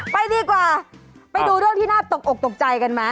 ไปดีกว่าไปดูเรื่องที่น่าตกอกตกใจกันไหม